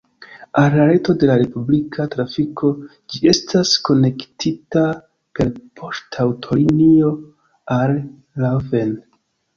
Al la reto de la publika trafiko ĝi estas konektita per poŝtaŭtolinio al Laufen.